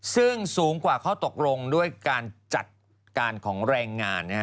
ซึ่งสูงกว่าข้อตกลงด้วยการจัดการของแรงงาน